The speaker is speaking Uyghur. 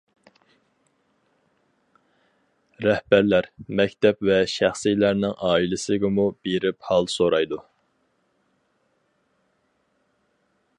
رەھبەرلەر، مەكتەپ ۋە شەخسىيلەرنىڭ ئائىلىسىگىمۇ بېرىپ ھال سورايدۇ.